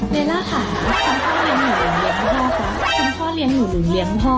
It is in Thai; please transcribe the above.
คุณพ่อเลี้ยงหนูหนูเลี้ยงพ่อค่ะ